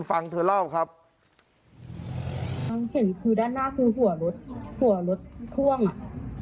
ฟังเธอเล่าครับความเห็นคือด้านหน้าคือหัวรถหัวรถพ่วงอ่ะ